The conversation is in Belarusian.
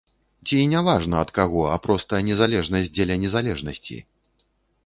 Ці не важна ад каго, а проста незалежнасць дзеля незалежнасці?